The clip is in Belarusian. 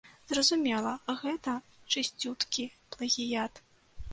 Зразумела, гэта чысцюткі плагіят.